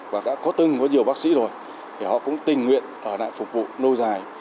và đã có từng với nhiều bác sĩ rồi thì họ cũng tình nguyện ở lại phục vụ nâu dài